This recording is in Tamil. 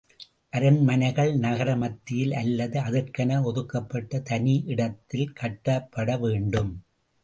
அரண்மனைகள் நகர மத்தியில் அல்லது அதற்கென ஒதுக்கப்பட்ட தனி இடத்தில் கட்டப்பட வேண்டும்.